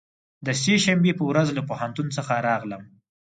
د سه شنبې په ورځ له پوهنتون څخه راغلم.